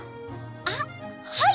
あっはい！